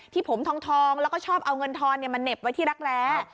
ผมทองแล้วก็ชอบเอาเงินทอนมาเหน็บไว้ที่รักแร้